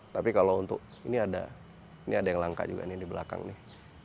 tapi kalau untuk ini ada ini ada yang langka juga nih di belakang nih